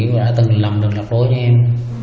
rồi đã từng làm được lạc lối cho em